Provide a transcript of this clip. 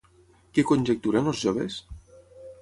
Què conjecturen els joves?